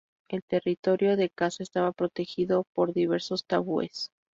El territorio de caza estaba protegido por diversos tabúes.